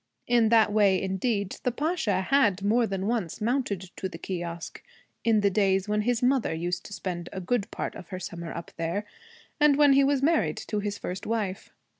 In that way, indeed, the Pasha had more than once mounted to the kiosque, in the days when his mother used to spend a good part of her summer up there, and when he was married to his first wife.